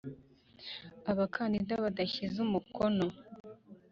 abakandida badashyize umukono